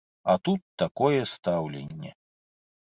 А тут такое стаўленне.